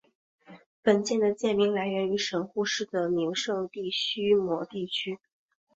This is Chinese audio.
本舰的舰名来源于神户市的名胜地须磨地区。